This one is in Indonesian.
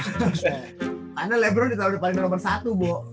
karena lebron ditawarin nomor satu bo